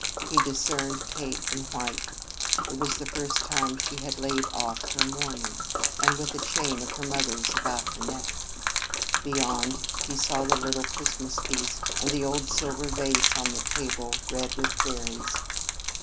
He discerned Kate in white it was the first time she had laid off her mourning and with a chain of her mother's about her neck. Beyond, he saw the little Christmas feast and the old silver vase on the table, red with berries.